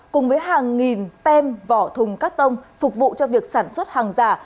cùng với hàng nghìn tem vỏ thùng cắt tông phục vụ cho việc sản xuất hàng giả